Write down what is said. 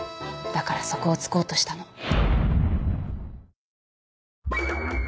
だからそこを突こうとしたの。